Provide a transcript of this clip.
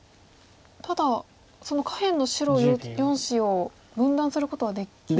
ただその下辺の白４子を分断することはできますね。